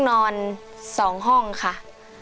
ขอบคุณมากครับ